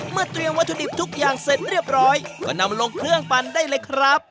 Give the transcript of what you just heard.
เตรียมวัตถุดิบทุกอย่างเสร็จเรียบร้อยก็นำลงเครื่องปั่นได้เลยครับ